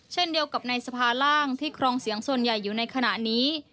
เช่นเดียวกับในสภาร่างที่ครองเสียงส่วนใหญ่อยู่ในขณะนี้